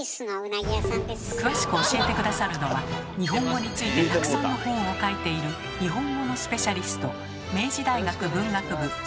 詳しく教えて下さるのは日本語についてたくさんの本を書いている日本語のスペシャリスト